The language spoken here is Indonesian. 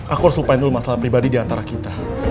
aku harus lupain dulu masalah pribadi diantara kita